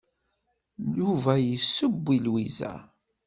Yuba yesseww i Lwiza.